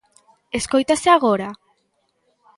¿Escóitase agora?